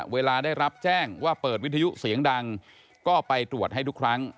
เวลาได้รับแจ้งว่าเปิดวิทยุเสียงดังก็ไปตรวจให้ทุกครั้ง